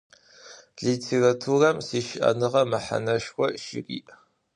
Litêraturem sişı'enığe mehaneşşxo şıri'.